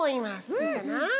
いいかな？